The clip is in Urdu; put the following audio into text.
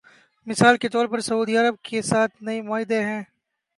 مثال کے طور پر سعودی عرب کے ساتھ نئے معاہدے ہیں۔